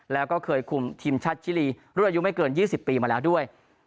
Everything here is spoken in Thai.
แล้วก็เคยคุมทีมชาติชิลีรุ่นอายุไม่เกิน๒๐ปีมาแล้วด้วย